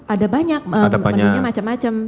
ada banyak menunya macam macam